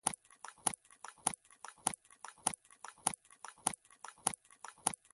دغه پېښه هسې يو چانس او تصادف بللای شو.